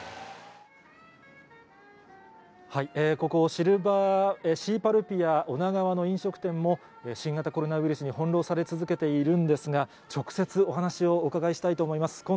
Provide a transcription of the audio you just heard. ここ、シーパルピア女川の飲食店も、新型コロナウイルスに翻弄され続けているんですが、直接、お話をお伺いしたいと思います。